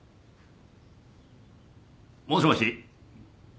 もしもし？